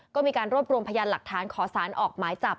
ก็มีการรวบรวมพยานหลักฐานขอสารออกหมายจับ